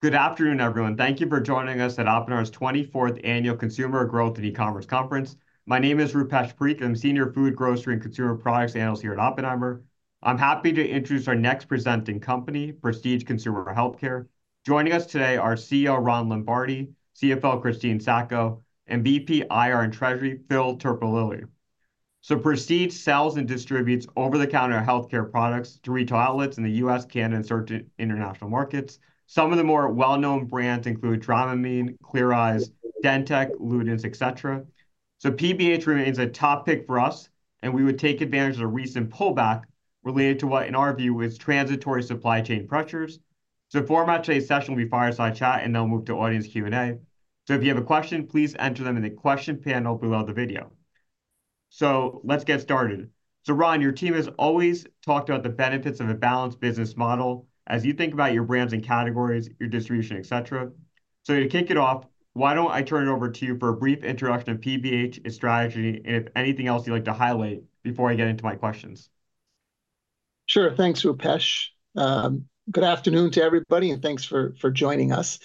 Good afternoon, everyone. Thank you for joining us at Oppenheimer's 24th Annual Consumer Growth and E-commerce Conference. My name is Rupesh Parikh. I'm Senior Food, Grocery, and Consumer Products Analyst here at Oppenheimer. I'm happy to introduce our next presenting company, Prestige Consumer Healthcare. Joining us today are CEO Ron Lombardi, CFO Christine Sacco, and VP IR and Treasury Phil Terpolilli. So Prestige sells and distributes over-the-counter healthcare products to retail outlets in the U.S., Canada, and certain international markets. Some of the more well-known brands include Dramamine, Clear Eyes, DenTek, Luden's, etc. So PBH remains a top pick for us, and we would take advantage of the recent pullback related to what, in our view, is transitory supply chain pressures. So the format for today's session will be fireside chat, and then we'll move to audience Q&A. If you have a question, please enter them in the question panel below the video. Let's get started. Ron, your team has always talked about the benefits of a balanced business model as you think about your brands and categories, your distribution, etc. To kick it off, why don't I turn it over to you for a brief introduction of PBH, its strategy, and if anything else you'd like to highlight before I get into my questions. Sure. Thanks, Rupesh. Good afternoon to everybody, and thanks for joining us.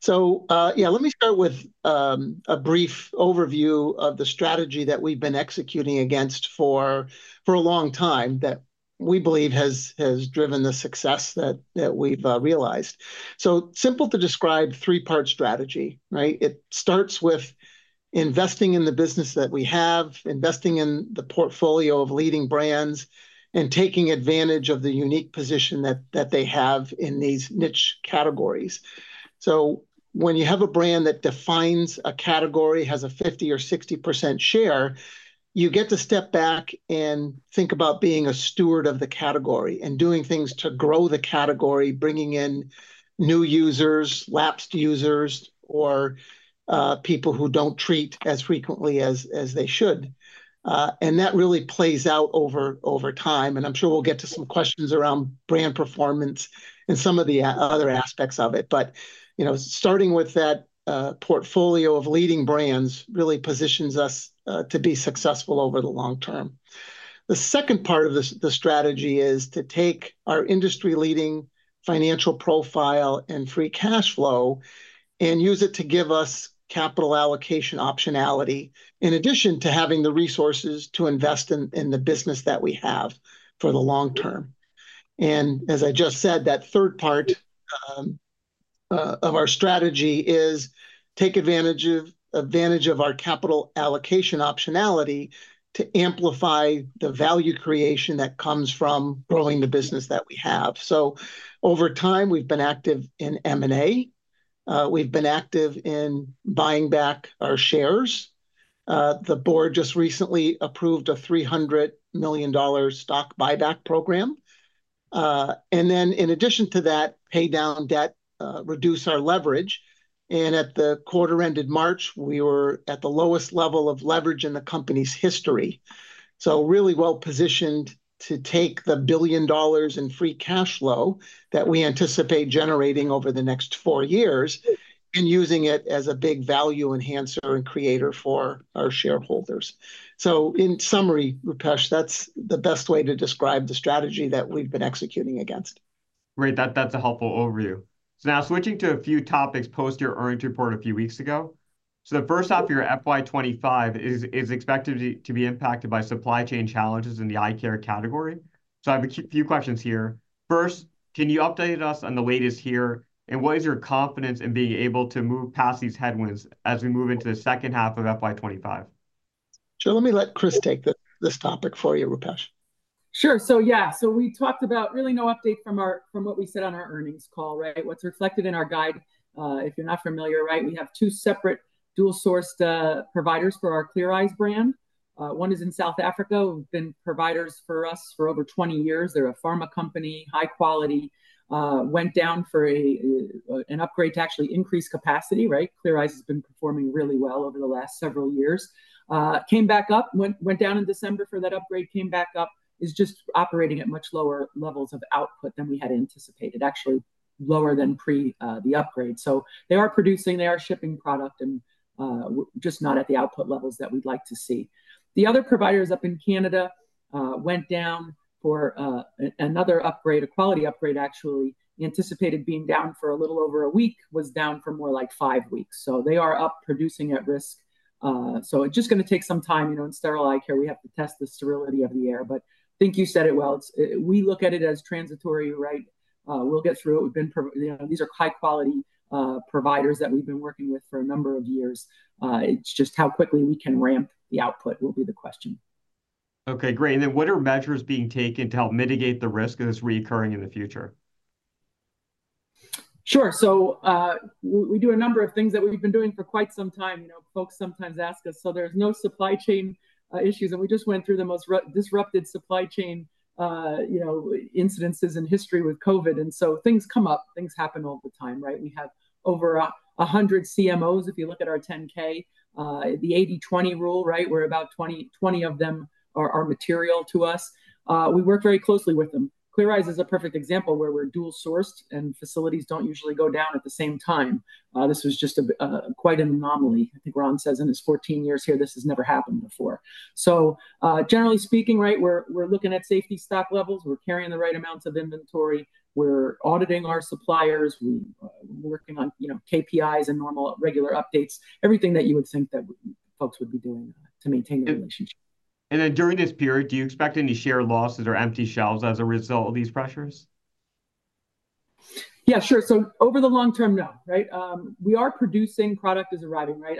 So yeah, let me start with a brief overview of the strategy that we've been executing against for a long time that we believe has driven the success that we've realized. So simple to describe, three-part strategy, right? It starts with investing in the business that we have, investing in the portfolio of leading brands, and taking advantage of the unique position that they have in these niche categories. So when you have a brand that defines a category, has a 50% or 60% share, you get to step back and think about being a steward of the category and doing things to grow the category, bringing in new users, lapsed users, or people who don't treat as frequently as they should. That really plays out over time. I'm sure we'll get to some questions around brand performance and some of the other aspects of it. Starting with that portfolio of leading brands really positions us to be successful over the long term. The second part of the strategy is to take our industry-leading financial profile and free cash flow and use it to give us capital allocation optionality in addition to having the resources to invest in the business that we have for the long term. As I just said, that third part of our strategy is to take advantage of our capital allocation optionality to amplify the value creation that comes from growing the business that we have. Over time, we've been active in M&A. We've been active in buying back our shares. The board just recently approved a $300 million stock buyback program. Then in addition to that, pay down debt, reduce our leverage. At the quarter ended March, we were at the lowest level of leverage in the company's history. So really well positioned to take the billion dollars in free cash flow that we anticipate generating over the next four years and using it as a big value enhancer and creator for our shareholders. In summary, Rupesh, that's the best way to describe the strategy that we've been executing against. Great. That's a helpful overview. So now switching to a few topics post your earnings report a few weeks ago. So the first off, your FY 2025 is expected to be impacted by supply chain challenges in the eye care category. So I have a few questions here. First, can you update us on the latest here, and what is your confidence in being able to move past these headwinds as we move into the second half of FY 2025? Sure. Let me let Chris take this topic for you, Rupesh. Sure. So yeah, so we talked about really no update from what we said on our earnings call, right? What's reflected in our guide, if you're not familiar, right? We have two separate dual-sourced providers for our Clear Eyes brand. One is in South Africa. They've been providers for us for over 20 years. They're a pharma company, high quality. Went down for an upgrade to actually increase capacity, right? Clear Eyes has been performing really well over the last several years. Came back up, went down in December for that upgrade, came back up, is just operating at much lower levels of output than we had anticipated, actually lower than pre the upgrade. So they are producing, they are shipping product, and just not at the output levels that we'd like to see. The other providers up in Canada went down for another upgrade, a quality upgrade, actually. Anticipated being down for a little over a week, was down for more like five weeks. So they are up producing at risk. So it's just going to take some time. In sterile eye care, we have to test the sterility of the air. But I think you said it well. We look at it as transitory, right? We'll get through it. These are high-quality providers that we've been working with for a number of years. It's just how quickly we can ramp the output will be the question. Okay, great. And then what are measures being taken to help mitigate the risk of this recurring in the future? Sure. So we do a number of things that we've been doing for quite some time. Folks sometimes ask us, so there's no supply chain issues. And we just went through the most disrupted supply chain incidences in history with COVID. And so things come up, things happen all the time, right? We have over 100 CMOs. If you look at our 10-K, the 80/20 rule, right? Where about 20 of them are material to us. We work very closely with them. Clear Eyes is a perfect example where we're dual-sourced and facilities don't usually go down at the same time. This was just quite an anomaly. I think Ron says in his 14 years here, this has never happened before. So generally speaking, right, we're looking at safety stock levels. We're carrying the right amounts of inventory. We're auditing our suppliers. We're working on KPIs and normal regular updates, everything that you would think that folks would be doing to maintain the relationship. And then during this period, do you expect any share losses or empty shelves as a result of these pressures? Yeah, sure. So over the long term, no, right? We are producing product is arriving, right?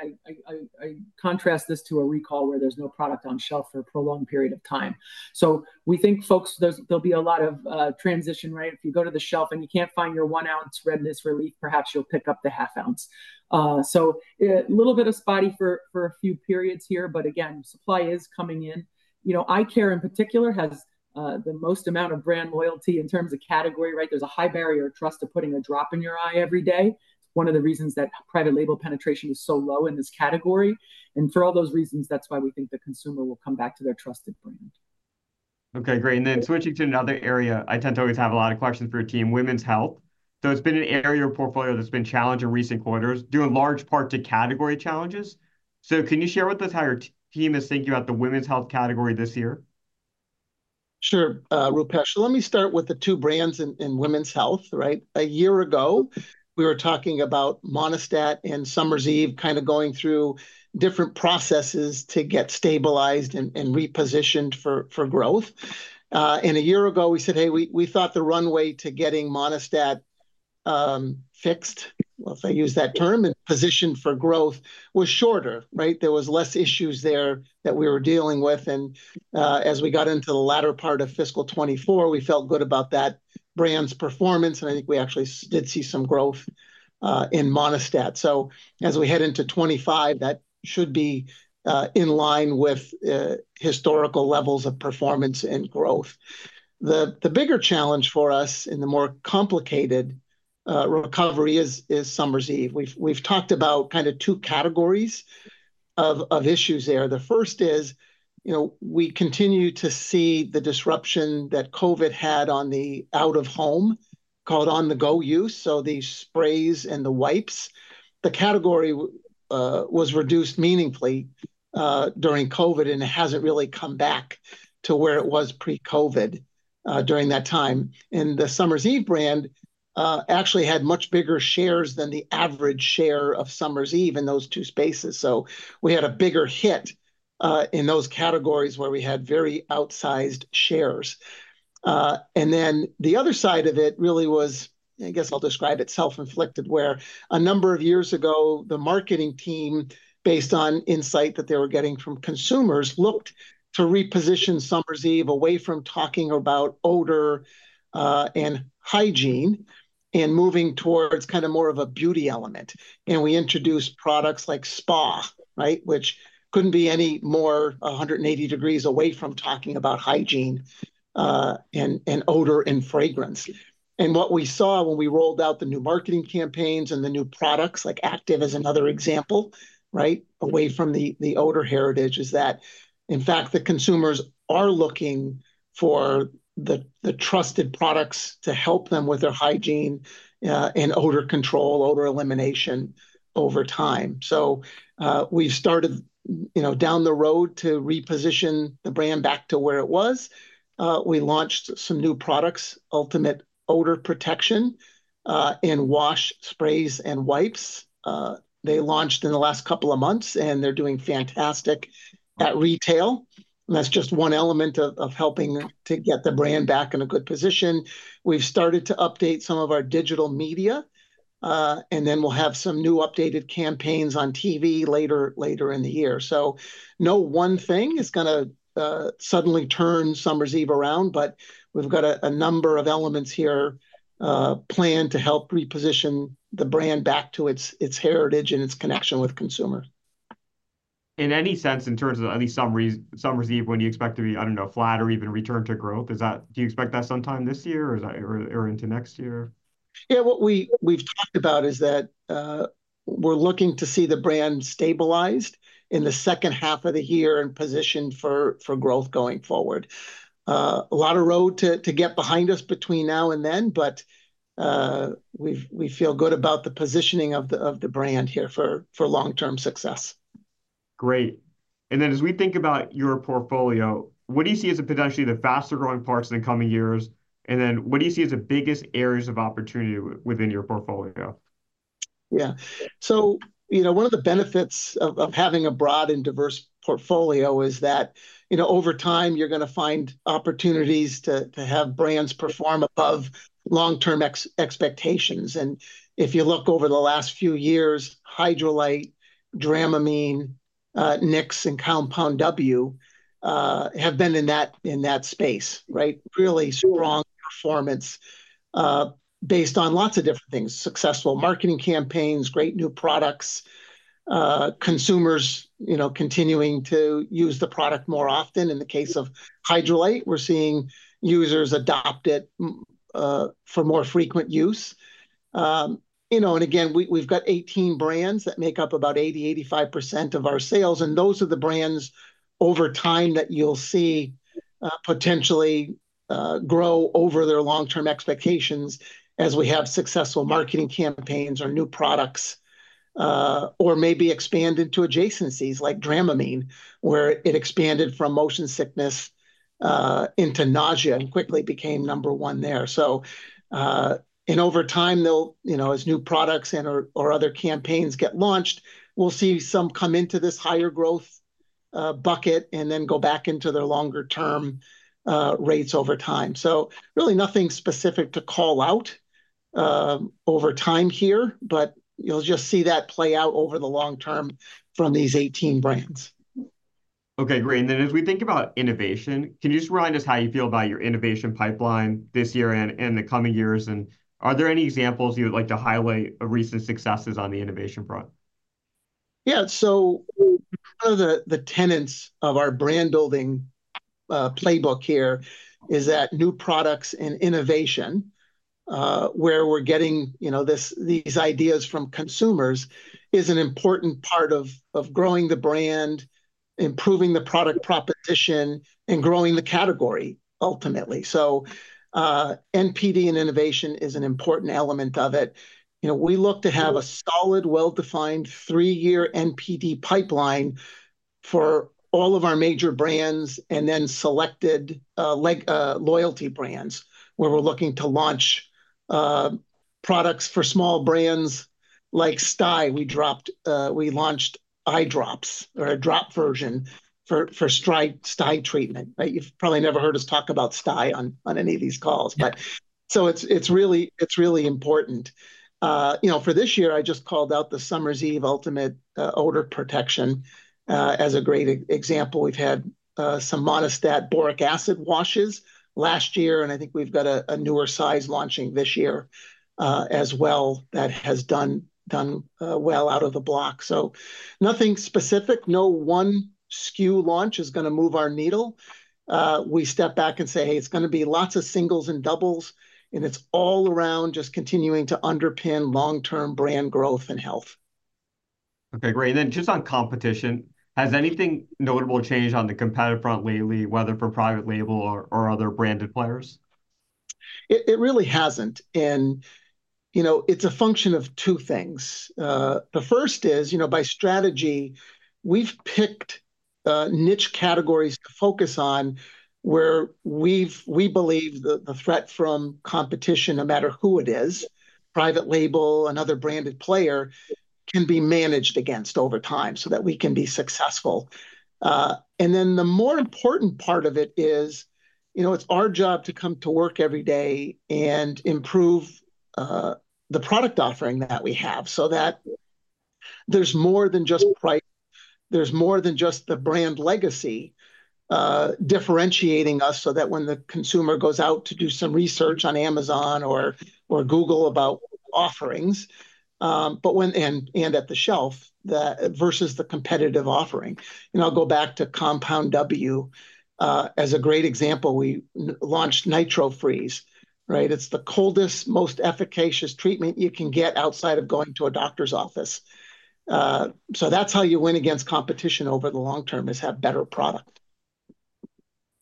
In contrast this to a recall where there's no product on shelf for a prolonged period of time. So we think folks, there'll be a lot of transition, right? If you go to the shelf and you can't find your 1 oz Redness Relief, perhaps you'll pick up the 0.5 oz. So a little bit of spotty for a few periods here, but again, supply is coming in. Eye care in particular has the most amount of brand loyalty in terms of category, right? There's a high barrier of trust of putting a drop in your eye every day. One of the reasons that private label penetration is so low in this category. And for all those reasons, that's why we think the consumer will come back to their trusted brand. Okay, great. And then switching to another area, I tend to always have a lot of questions for your team, Women's Health. So it's been an area of your portfolio that's been challenged in recent quarters, due in large part to category challenges. So can you share with us how your team is thinking about the Women's Health category this year? Sure, Rupesh. So let me start with the two brands in Women's Health, right? A year ago, we were talking about Monistat and Summer's Eve kind of going through different processes to get stabilized and repositioned for growth. And a year ago, we said, hey, we thought the runway to getting Monistat fixed, if I use that term, and positioned for growth was shorter, right? There was less issues there that we were dealing with. And as we got into the latter part of fiscal 2024, we felt good about that brand's performance. And I think we actually did see some growth in Monistat. So as we head into 2025, that should be in line with historical levels of performance and growth. The bigger challenge for us in the more complicated recovery is Summer's Eve. We've talked about kind of two categories of issues there. The first is we continue to see the disruption that COVID had on the out-of-home, called on-the-go use, so the sprays and the wipes. The category was reduced meaningfully during COVID, and it hasn't really come back to where it was pre-COVID during that time. The Summer's Eve brand actually had much bigger shares than the average share of Summer's Eve in those two spaces. So we had a bigger hit in those categories where we had very outsized shares. And then the other side of it really was, I guess I'll describe it self-inflicted, where a number of years ago, the marketing team, based on insight that they were getting from consumers, looked to reposition Summer's Eve away from talking about odor and hygiene and moving towards kind of more of a beauty element. We introduced products like Spa, right, which couldn't be any more 180 degrees away from talking about hygiene and odor and fragrance. What we saw when we rolled out the new marketing campaigns and the new products, like Active as another example, right, away from the odor heritage, is that in fact, the consumers are looking for the trusted products to help them with their hygiene and odor control, odor elimination over time. We've started down the road to reposition the brand back to where it was. We launched some new products, Ultimate Odor Protection and Wash, Sprays, and Wipes. They launched in the last couple of months, and they're doing fantastic at retail. That's just one element of helping to get the brand back in a good position. We've started to update some of our digital media, and then we'll have some new updated campaigns on TV later in the year. So no one thing is going to suddenly turn Summer's Eve around, but we've got a number of elements here planned to help reposition the brand back to its heritage and its connection with consumers. In any sense, in terms of at least Summer's Eve, when you expect to be, I don't know, flat or even return to growth, do you expect that sometime this year or into next year? Yeah, what we've talked about is that we're looking to see the brand stabilized in the second half of the year and positioned for growth going forward. A lot of road to get behind us between now and then, but we feel good about the positioning of the brand here for long-term success. Great. As we think about your portfolio, what do you see as potentially the faster growing parts in the coming years? What do you see as the biggest areas of opportunity within your portfolio? Yeah. So one of the benefits of having a broad and diverse portfolio is that over time, you're going to find opportunities to have brands perform above long-term expectations. And if you look over the last few years, Hydralyte, Dramamine, Nix, and Compound W have been in that space, right? Really strong performance based on lots of different things, successful marketing campaigns, great new products, consumers continuing to use the product more often. In the case of Hydralyte, we're seeing users adopt it for more frequent use. And again, we've got 18 brands that make up about 80%, 85% of our sales. And those are the brands over time that you'll see potentially grow over their long-term expectations as we have successful marketing campaigns or new products or maybe expand into adjacencies like Dramamine, where it expanded from motion sickness into nausea and quickly became number one there. So over time, as new products or other campaigns get launched, we'll see some come into this higher growth bucket and then go back into their longer-term rates over time. So really nothing specific to call out over time here, but you'll just see that play out over the long term from these 18 brands. Okay, great. And then as we think about innovation, can you just remind us how you feel about your innovation pipeline this year and the coming years? And are there any examples you'd like to highlight of recent successes on the innovation front? Yeah. So one of the tenets of our brand building playbook here is that new products and innovation, where we're getting these ideas from consumers, is an important part of growing the brand, improving the product proposition, and growing the category ultimately. So NPD and innovation is an important element of it. We look to have a solid, well-defined three-year NPD pipeline for all of our major brands and then selected loyalty brands where we're looking to launch products for small brands like Stye. We launched eye drops or a drop version for Stye treatment. You've probably never heard us talk about Stye on any of these calls, but so it's really important. For this year, I just called out the Summer's Eve Ultimate Odor Protection as a great example. We've had some Monistat boric acid washes last year, and I think we've got a newer size launching this year as well that has done well out of the block. Nothing specific, no one SKU launch is going to move our needle. We step back and say, hey, it's going to be lots of singles and doubles, and it's all around just continuing to underpin long-term brand growth and health. Okay, great. And then just on competition, has anything notable changed on the competitive front lately, whether for private label or other branded players? It really hasn't. And it's a function of two things. The first is by strategy, we've picked niche categories to focus on where we believe the threat from competition, no matter who it is, private label and other branded player, can be managed against over time so that we can be successful. And then the more important part of it is it's our job to come to work every day and improve the product offering that we have so that there's more than just price. There's more than just the brand legacy differentiating us so that when the consumer goes out to do some research on Amazon or Google about offerings and at the shelf versus the competitive offering. And I'll go back to Compound W as a great example, we launched NitroFreeze, right? It's the coldest, most efficacious treatment you can get outside of going to a doctor's office. So that's how you win against competition over the long term is have better product.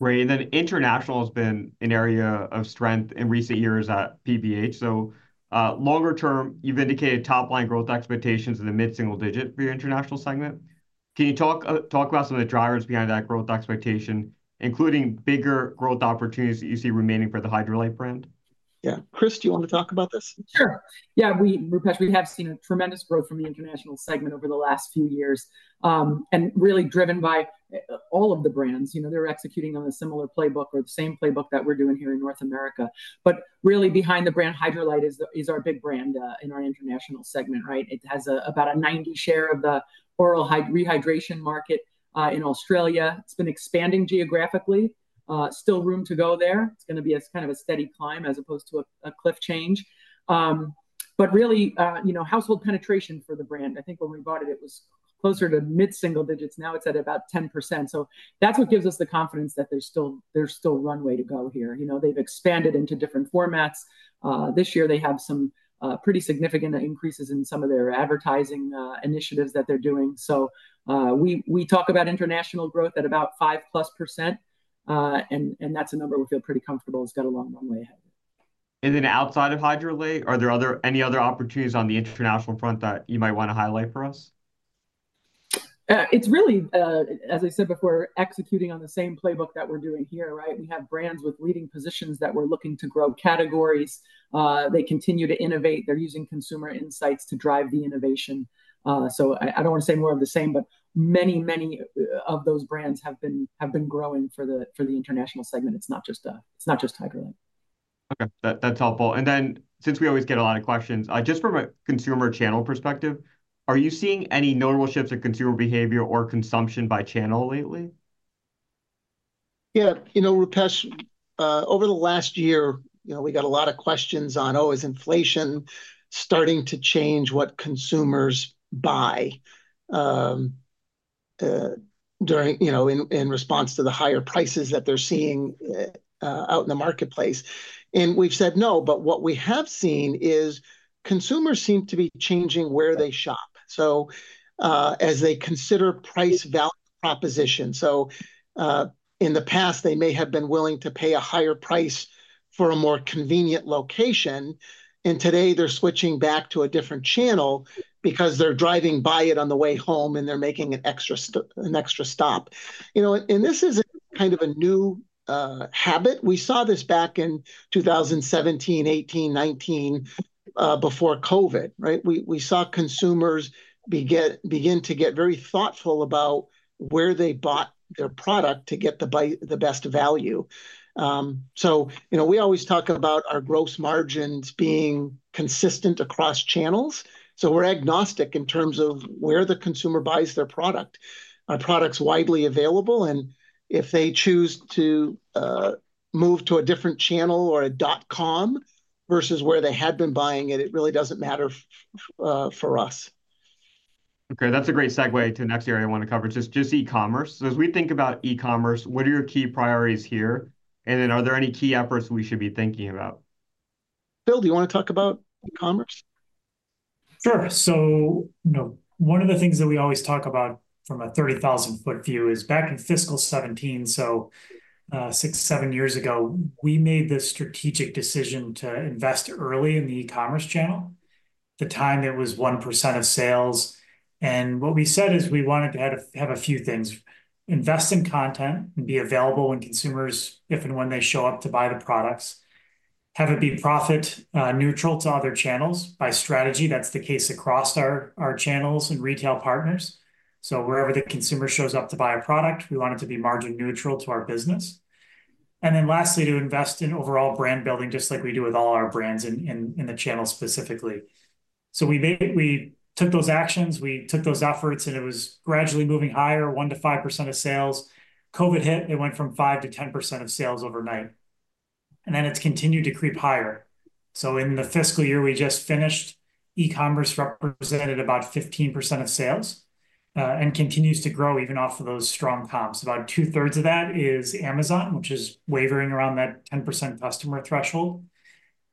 Great. Then international has been an area of strength in recent years at PBH. Longer term, you've indicated top-line growth expectations in the mid-single digit for your international segment. Can you talk about some of the drivers behind that growth expectation, including bigger growth opportunities that you see remaining for the Hydralyte brand? Yeah. Chris, do you want to talk about this? Sure. Yeah, Rupesh, we have seen a tremendous growth from the international segment over the last few years and really driven by all of the brands. They're executing on a similar playbook or the same playbook that we're doing here in North America. But really, behind the brand Hydralyte is our big brand in our international segment, right? It has about a 90% share of the oral rehydration market in Australia. It's been expanding geographically. Still room to go there. It's going to be kind of a steady climb as opposed to a cliff change. But really, household penetration for the brand. I think when we bought it, it was closer to mid-single digits. Now it's at about 10%. So that's what gives us the confidence that there's still runway to go here. They've expanded into different formats. This year, they have some pretty significant increases in some of their advertising initiatives that they're doing. So we talk about international growth at about 5%+. And that's a number we feel pretty comfortable. It's got a long runway ahead. Outside of Hydralyte, are there any other opportunities on the international front that you might want to highlight for us? It's really, as I said before, executing on the same playbook that we're doing here, right? We have brands with leading positions that we're looking to grow categories. They continue to innovate. They're using consumer insights to drive the innovation. So I don't want to say more of the same, but many, many of those brands have been growing for the international segment. It's not just Hydralyte. Okay. That's helpful. And then since we always get a lot of questions, just from a consumer channel perspective, are you seeing any notable shifts in consumer behavior or consumption by channel lately? Yeah. Rupesh, over the last year, we got a lot of questions on, oh, is inflation starting to change what consumers buy in response to the higher prices that they're seeing out in the marketplace? And we've said no, but what we have seen is consumers seem to be changing where they shop. So as they consider price value proposition. So in the past, they may have been willing to pay a higher price for a more convenient location. And today, they're switching back to a different channel because they're driving by it on the way home, and they're making an extra stop. And this is kind of a new habit. We saw this back in 2017, 2018, 2019 before COVID, right? We saw consumers begin to get very thoughtful about where they bought their product to get the best value. We always talk about our gross margins being consistent across channels. We're agnostic in terms of where the consumer buys their product. Our product's widely available. If they choose to move to a different channel or a dot-com versus where they had been buying it, it really doesn't matter for us. Okay. That's a great segue to the next area I want to cover, just e-commerce. So as we think about e-commerce, what are your key priorities here? And then are there any key efforts we should be thinking about? Phil, do you want to talk about e-commerce? Sure. So one of the things that we always talk about from a 30,000-foot view is back in fiscal 2017, so six, seven years ago, we made the strategic decision to invest early in the e-commerce channel, the time it was 1% of sales. And what we said is we wanted to have a few things: invest in content and be available when consumers, if and when they show up to buy the products; have it be profit-neutral to other channels. By strategy, that's the case across our channels and retail partners. So wherever the consumer shows up to buy a product, we want it to be margin-neutral to our business. And then lastly, to invest in overall brand building, just like we do with all our brands in the channel specifically. So we took those actions. We took those efforts, and it was gradually moving higher, 1%-5% of sales. COVID hit. It went from 5%-10% of sales overnight. And then it's continued to creep higher. So in the fiscal year we just finished, e-commerce represented about 15% of sales and continues to grow even off of those strong comps. About 2/3 of that is Amazon, which is wavering around that 10% customer threshold.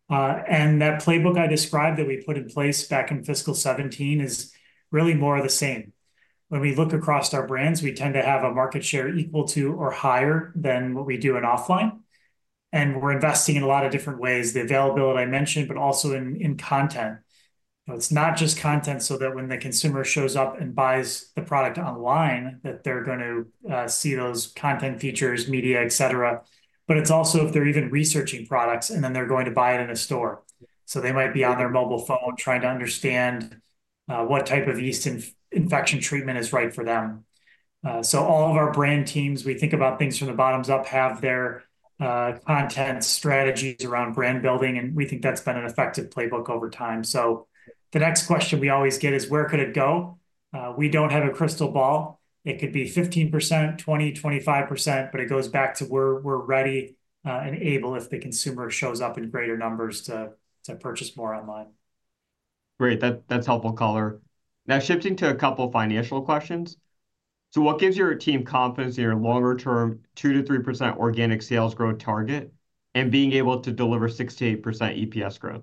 And that playbook I described that we put in place back in fiscal 2017 is really more of the same. When we look across our brands, we tend to have a market share equal to or higher than what we do in offline. And we're investing in a lot of different ways: the availability I mentioned, but also in content. It's not just content so that when the consumer shows up and buys the product online, that they're going to see those content features, media, et cetera. But it's also if they're even researching products and then they're going to buy it in a store. So they might be on their mobile phone trying to understand what type of yeast infection treatment is right for them. So all of our brand teams, we think about things from the bottoms up, have their content strategies around brand building. And we think that's been an effective playbook over time. So the next question we always get is, where could it go? We don't have a crystal ball. It could be 15%, 20%, 25%, but it goes back to where we're ready and able if the consumer shows up in greater numbers to purchase more online. Great. That's helpful, caller. Now, shifting to a couple of financial questions. So what gives your team confidence in your longer-term 2%-3% organic sales growth target and being able to deliver 6%-8% EPS growth?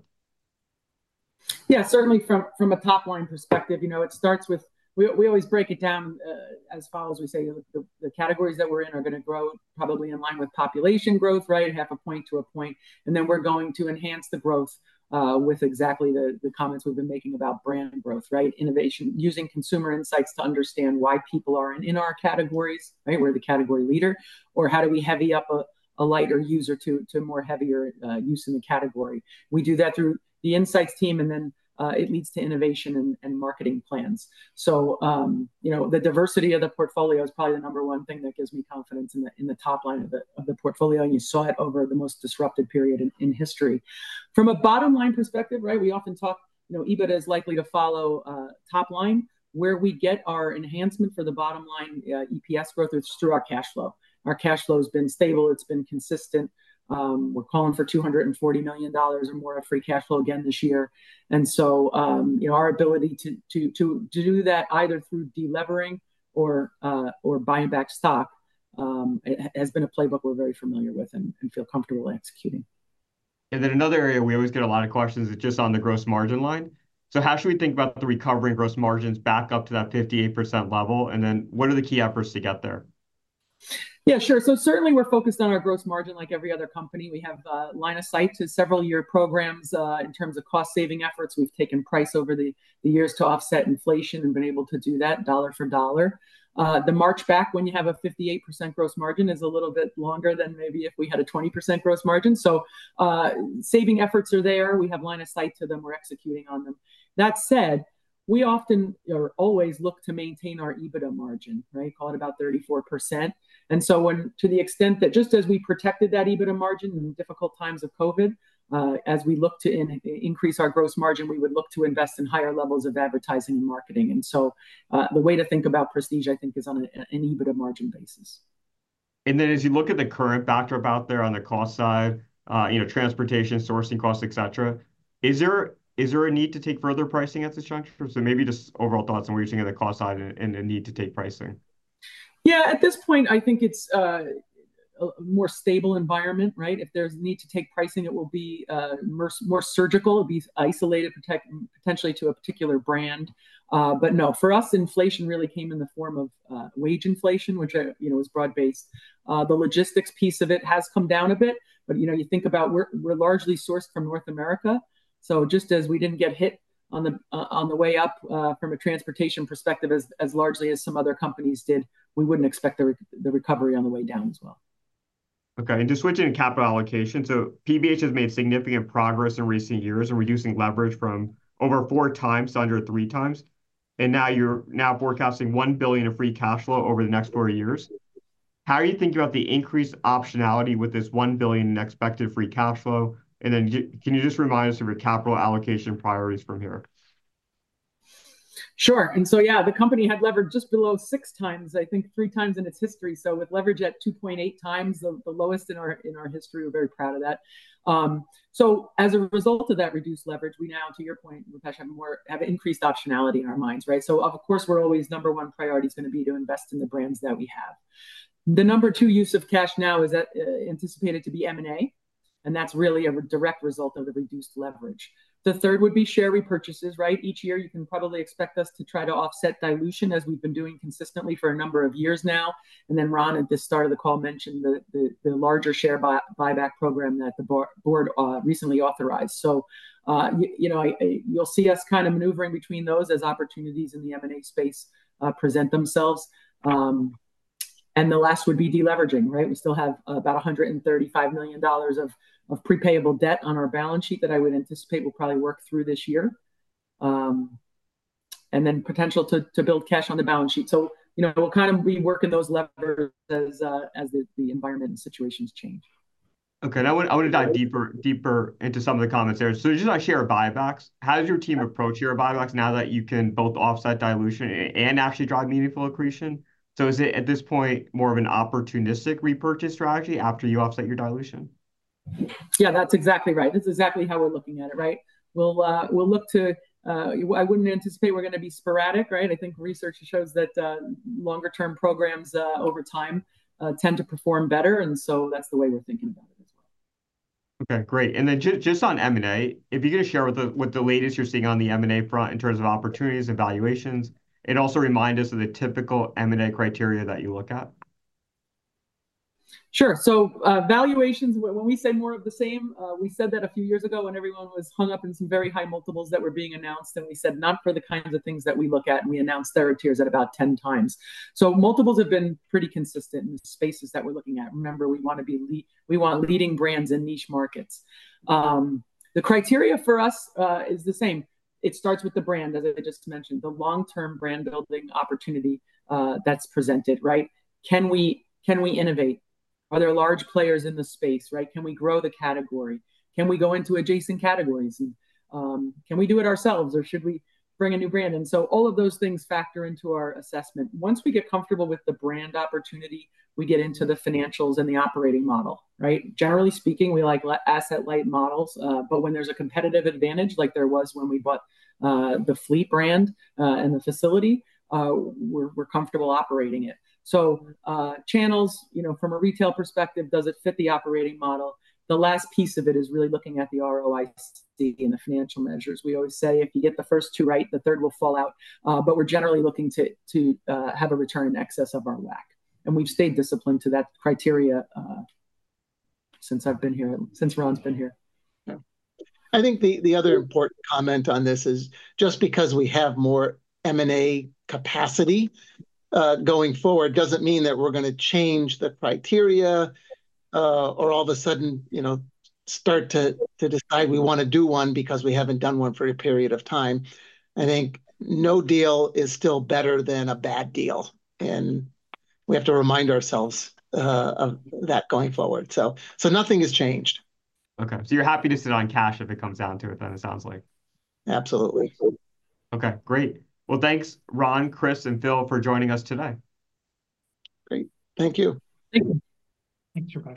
Yeah, certainly from a top-line perspective, it starts with we always break it down as follows. We say the categories that we're in are going to grow probably in line with population growth, right? 0.5 point-1 point. And then we're going to enhance the growth with exactly the comments we've been making about brand growth, right? Innovation, using consumer insights to understand why people are in our categories, right? We're the category leader. Or how do we heavy up a lighter user to more heavier use in the category? We do that through the insights team, and then it leads to innovation and marketing plans. So the diversity of the portfolio is probably the number one thing that gives me confidence in the top line of the portfolio. And you saw it over the most disrupted period in history. From a bottom-line perspective, right, we often talk EBITDA is likely to follow top line. Where we get our enhancement for the bottom-line EPS growth is through our cash flow. Our cash flow has been stable. It's been consistent. We're calling for $240 million or more of free cash flow again this year. And so our ability to do that either through delevering or buying back stock has been a playbook we're very familiar with and feel comfortable executing. Then another area we always get a lot of questions is just on the gross margin line. How should we think about the recovering gross margins back up to that 58% level? And then what are the key efforts to get there? Yeah, sure. Certainly we're focused on our gross margin like every other company. We have line of sight to several-year programs in terms of cost-saving efforts. We've taken price over the years to offset inflation and been able to do that dollar for dollar. The margin back when you have a 58% gross margin is a little bit longer than maybe if we had a 20% gross margin. Saving efforts are there. We have line of sight to them. We're executing on them. That said, we often or always look to maintain our EBITDA margin, right? Call it about 34%. So to the extent that just as we protected that EBITDA margin in difficult times of COVID, as we look to increase our gross margin, we would look to invest in higher levels of advertising and marketing. And so the way to think about Prestige, I think, is on an EBITDA margin basis. And then as you look at the current backdrop out there on the cost side, transportation, sourcing costs, et cetera, is there a need to take further pricing at this juncture? So maybe just overall thoughts on what you're seeing on the cost side and the need to take pricing? Yeah. At this point, I think it's a more stable environment, right? If there's a need to take pricing, it will be more surgical. It'll be isolated potentially to a particular brand. But no, for us, inflation really came in the form of wage inflation, which is broad-based. The logistics piece of it has come down a bit. But you think about we're largely sourced from North America. So just as we didn't get hit on the way up from a transportation perspective as largely as some other companies did, we wouldn't expect the recovery on the way down as well. Okay. And just switching to capital allocation, so PBH has made significant progress in recent years in reducing leverage from over four times to under three times. And now you're forecasting $1 billion of free cash flow over the next four years. How are you thinking about the increased optionality with this $1 billion in expected free cash flow? And then can you just remind us of your capital allocation priorities from here? Sure. And so, yeah, the company had leverage just below six times, I think three times in its history. So with leverage at 2.8 times, the lowest in our history. We're very proud of that. So as a result of that reduced leverage, we now, to your point, Rupesh, have increased optionality in our minds, right? So of course, we're always number one priority is going to be to invest in the brands that we have. The number two use of cash now is anticipated to be M&A. And that's really a direct result of the reduced leverage. The third would be share repurchases, right? Each year, you can probably expect us to try to offset dilution as we've been doing consistently for a number of years now. And then Ron at the start of the call mentioned the larger share buyback program that the board recently authorized. So you'll see us kind of maneuvering between those as opportunities in the M&A space present themselves. And the last would be deleveraging, right? We still have about $135 million of prepayable debt on our balance sheet that I would anticipate we'll probably work through this year. And then potential to build cash on the balance sheet. So we'll kind of be working those levers as the environment and situations change. Okay. I want to dive deeper into some of the comments there. Just on share buybacks, how does your team approach share buybacks now that you can both offset dilution and actually drive meaningful accretion? Is it at this point more of an opportunistic repurchase strategy after you offset your dilution? Yeah, that's exactly right. That's exactly how we're looking at it, right? I wouldn't anticipate we're going to be sporadic, right? I think research shows that longer-term programs over time tend to perform better. And so that's the way we're thinking about it as well. Okay. Great. And then just on M&A, if you could share the latest you're seeing on the M&A front in terms of opportunities and valuations, and also remind us of the typical M&A criteria that you look at? Sure. So valuations, when we say more of the same, we said that a few years ago when everyone was hung up in some very high multiples that were being announced. And we said not for the kinds of things that we look at. And we announced there, it appears at about 10 times. So multiples have been pretty consistent in the spaces that we're looking at. Remember, we want leading brands in niche markets. The criteria for us is the same. It starts with the brand, as I just mentioned, the long-term brand building opportunity that's presented, right? Can we innovate? Are there large players in the space, right? Can we grow the category? Can we go into adjacent categories? Can we do it ourselves, or should we bring a new brand? And so all of those things factor into our assessment. Once we get comfortable with the brand opportunity, we get into the financials and the operating model, right? Generally speaking, we like asset-light models. But when there's a competitive advantage, like there was when we bought the Fleet brand and the facility, we're comfortable operating it. So channels from a retail perspective, does it fit the operating model? The last piece of it is really looking at the ROIC and the financial measures. We always say if you get the first two right, the third will fall out. But we're generally looking to have a return in excess of our WACC. And we've stayed disciplined to that criteria since I've been here, since Ron's been here. I think the other important comment on this is just because we have more M&A capacity going forward doesn't mean that we're going to change the criteria or all of a sudden start to decide we want to do one because we haven't done one for a period of time. I think no deal is still better than a bad deal. And we have to remind ourselves of that going forward. So nothing has changed. Okay. So you're happy to sit on cash if it comes down to it, then it sounds like. Absolutely. Okay. Great. Well, thanks, Ron, Chris, and Phil for joining us today. Great. Thank you. Thank you. Thank you.